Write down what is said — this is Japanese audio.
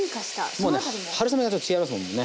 もうね春雨がちょっと違いますもんね。